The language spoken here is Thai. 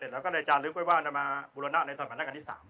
แล้วก็ในจานลึกไว้ว่ามันจะมาบุรณะในสัตว์ภัณฑ์นักอันที่๓